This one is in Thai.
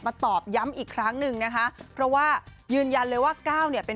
ตอบย้ำอีกครั้งหนึ่งนะคะเพราะว่ายืนยันเลยว่าก้าวเนี่ยเป็น